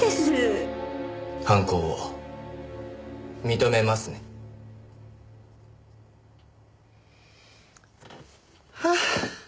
犯行を認めますね？はあ。